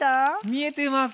見えてます。